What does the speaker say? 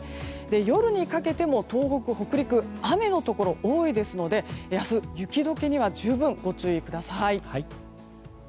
夜にかけても東北、北陸雨のところが多いですので明日、雪解けには十分ご注意ください。